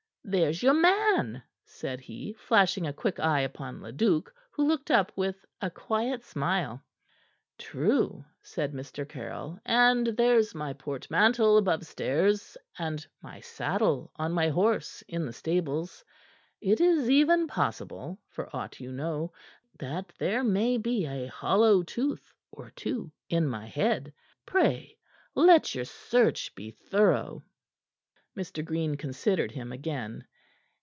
"There's your man," said he, flashing a quick eye upon Leduc, who looked up with a quiet smile. "True," said Mr. Caryll, "and there's my portmantle above stairs, and my saddle on my horse in the stables. It is even possible, for aught you know, that there may be a hollow tooth or two in my head. Pray let your search be thorough." Mr. Green considered him again.